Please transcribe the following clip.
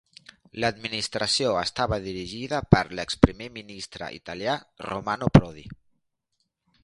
L'administració estava dirigida per l'ex primer ministre italià Romano Prodi.